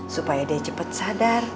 supaya dia cepet sadar